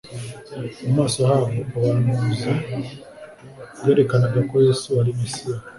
Mu maso habo, ubuhanuzi bwerekanaga ko Yesu ari Mesiya;